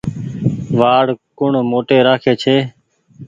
وآڙ ڪوڻ موٽي رآکي ڇي ۔